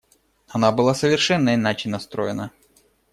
Она была совершенно иначе настроена.